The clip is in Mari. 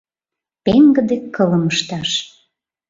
Пеҥгыде кылым ышташ».